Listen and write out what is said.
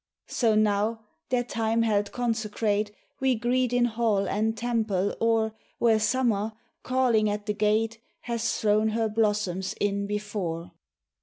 MEMORIAL DAY. So now their time held consecrate We greet in hall and temple, or Where Summer, calling at the gate, Has thrown her blossoms in before.